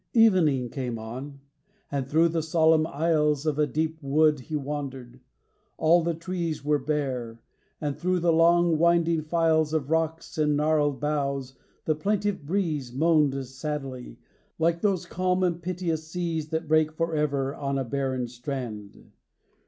XIX. Evening came on; and thro' the solemn aisles Of a deep wood he wandered; all the trees Were bare; and thro' the long winding files Of rocks and gnarled boughs the plaintive breeze Moaned sadly, like those calm and piteous seas That break forever on a barren strand.